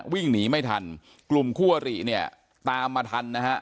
วิ่งหนีไม่ทันกลุ่มคู่อริเนี่ยตามมาทันนะฮะ